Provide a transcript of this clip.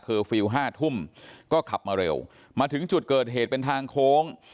ฟิลล์ห้าทุ่มก็ขับมาเร็วมาถึงจุดเกิดเหตุเป็นทางโค้ง